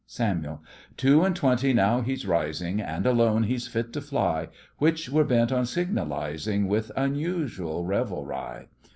SAMUEL: Two and twenty, now he's rising, And alone he's fit to fly, Which we're bent on signalizing With unusual revelry.